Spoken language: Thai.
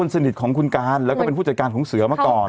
สนิทของคุณการแล้วก็เป็นผู้จัดการของเสือมาก่อน